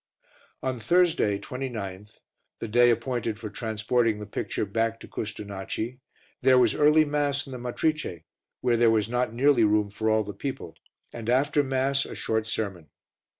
On Thursday, 29th, the day appointed for transporting the picture back to Custonaci, there was early Mass in the Matrice, where there was not nearly room for all the people, and after Mass a short sermon.